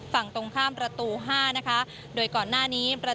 ฝั่งตรงข้ามประตู๕โดยก่อนหน้านี้